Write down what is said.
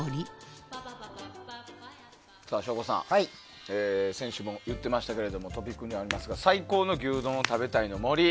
省吾さん、先週も言っていましたけどトピックにありますが最高の牛丼を食べたいの森